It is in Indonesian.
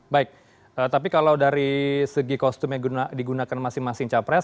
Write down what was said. baik tapi kalau dari segi kostum yang digunakan masing masing capres